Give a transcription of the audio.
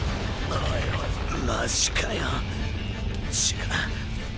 おいおいマジかよ。